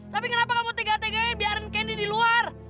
tapi kenapa kamu tegak tegain biarin candy di luar